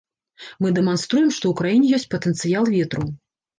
Мы дэманструем, што ў краіне ёсць патэнцыял ветру.